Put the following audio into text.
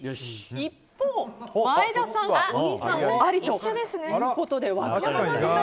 一方、前田さん、小木さんはありということで分かれました。